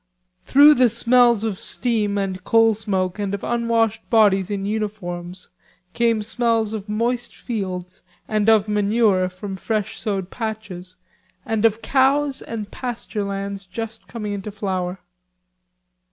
Through the smells of steam and coal smoke and of unwashed bodies in uniforms came smells of moist fields and of manure from fresh sowed patches and of cows and pasture lands just coming into flower.